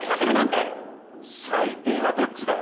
最低はどっちだよ。